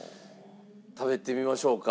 食べてみましょうか。